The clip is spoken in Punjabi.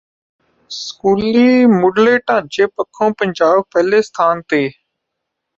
ਸਕੂਲੀ ਮੁੱਢਲੇ ਢਾਂਚੇ ਪੱਖੋਂ ਪੰਜਾਬ ਪਹਿਲੇ ਸਥਾਨ ਤੇ